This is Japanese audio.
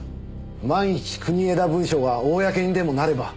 万一国枝文書が公にでもなれば。